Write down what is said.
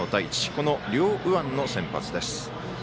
この両右腕の先発です。